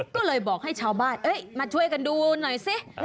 ก็เลยบอกให้ชาวบ้านมาช่วยกันดูหน่อยสิ